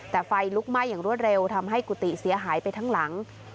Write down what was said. แต่ไฟลุกไหม้อย่างรวดเร็วทำให้กุฏิเสียหายไปทั้งหลัง